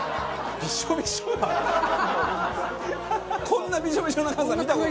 こんなビショビショなカズさん見た事ない。